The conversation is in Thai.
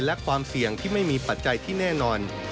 และความเสี่ยงที่ไม่มีปัจจัยที่แน่นอน